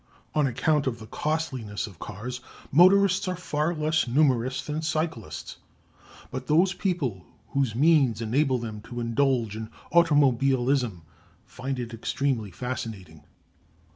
On account of the costliness of cars motorists are far less numerous than cyclists; but those people whose means enable them to indulge in automobilism find it extremely fascinating.